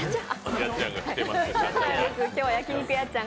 今日は焼肉やっちゃん